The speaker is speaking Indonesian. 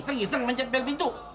sengiseng mencet bel pintu